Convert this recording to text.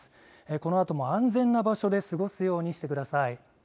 このあとも安全な場所で過ごすようにしてください。